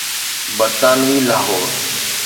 برطانوي لاهور.